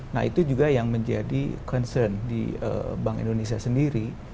nah itu juga yang menjadi concern di bank indonesia sendiri